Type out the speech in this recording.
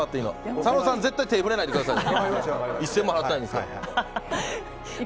佐野さん絶対手触れないでくださいね。